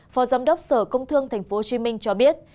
phó giám đốc sở công thương tp hcm cho biết